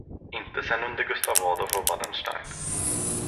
Inte sen under Gustav Adolf och Wallenstein.